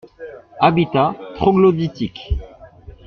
Habitat troglodytique.